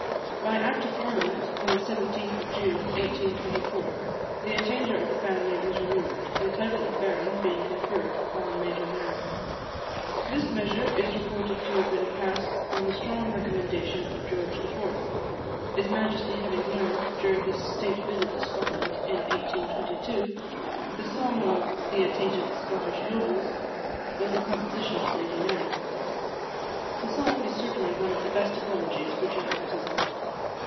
By Act of Parliament, on the 17th June 1824, the attainder of the family was removed, the title of Baron being conferred on Major Nairn. This measure is reported to have been passed on the strong recommendation of George IV.; his Majesty having learned, during his state visit to Scotland in 1822, that the song of "The Attainted Scottish Nobles" was the composition of Lady Nairn. The song is certainly one of the best apologies for Jacobitism.